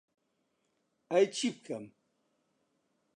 ئەی چی بکەم؟